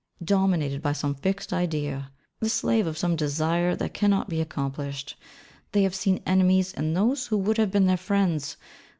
Dominated by some fixed idea, the slave of some desire that cannot be accomplished, they have seen enemies in those who would have been their friends.